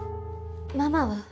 ママは？